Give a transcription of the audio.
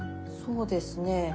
そうですね。